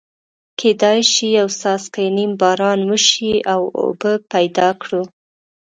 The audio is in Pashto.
کېدای شي یو څاڅکی نیم باران وشي او اوبه پیدا کړو.